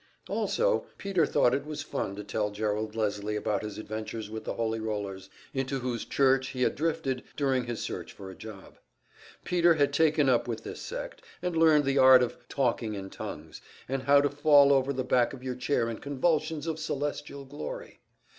Also, Peter thought it was fun to tell Gerald Leslie about his adventures with the Holy Rollers, into whose church he had drifted during his search for a job. Peter had taken up with this sect, and learned the art of "talking in tongues," and how to fall over the back of your chair in convulsions of celestial glory.